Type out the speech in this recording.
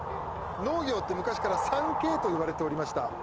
農業って昔から３Ｋと言われておりました